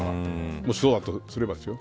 もしそうだとすれば、ですよ。